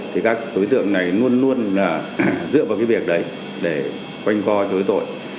thì các đối tượng này luôn luôn dựa vào việc đấy để quanh co chối tội